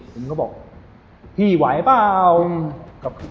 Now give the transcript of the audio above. ผมก็บอกพี่ไหวเปล่า